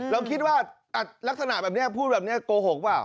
เราคิดว่าลักษณะแบบนี้พูดแบบนี้โกหกเปล่า